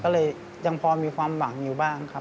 ก็เลยยังพอมีความหวังอยู่บ้างครับ